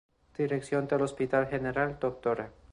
Dirección del Hospital General: Dra.